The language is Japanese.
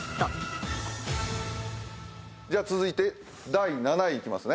じゃあ続いて第７位いきますね。